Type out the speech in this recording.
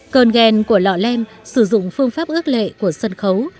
cơn ghen của lọ lem sử dụng phương pháp ước lệ của sân khấu